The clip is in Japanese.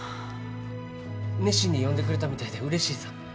熱心に読んでくれたみたいでうれしいさ。